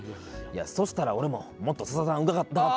そしたら俺ももっと佐田さんを疑って。